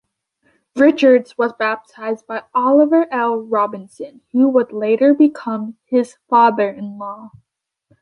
Richards was baptized by Oliver L. Robinson, who would later become his father-in-law.